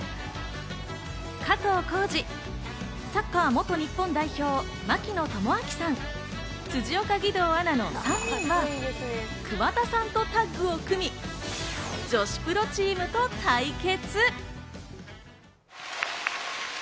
加藤浩次、サッカー元日本代表・槙野智章さん、辻岡義堂アナの３名は桑田さんとタッグを組み、女子プロチームと対決！